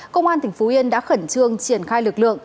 công an tỉnh phú yên đã khẩn trương triển khai lực lượng